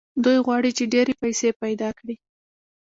دوی غواړي چې ډېرې پيسې پيدا کړي.